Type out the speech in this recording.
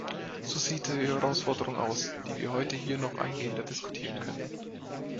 So sieht die Herausforderung aus, die wir heute hier noch eingehender diskutieren könnten.